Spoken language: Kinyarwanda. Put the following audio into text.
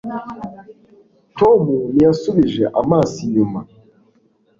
tom ntiyasubije amaso inyuma